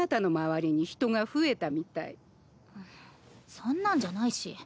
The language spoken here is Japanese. そんなんじゃないし。